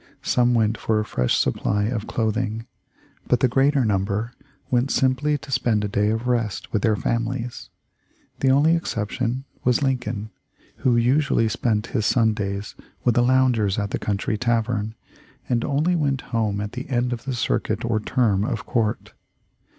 Some went for a fresh supply of clothing, but the greater number went simply to spend a day of rest with their families. The only exception was Lincoln, who usually spent his Sun days with the loungers at the country tavern, and only went home at the end of the circuit or term of court.